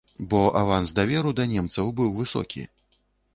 Бо аванс даверу да немцаў быў высокі.